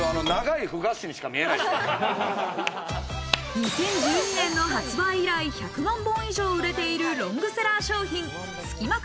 ２０１２年の発売以来、１００万本以上売れているロングセラー商品、すきま風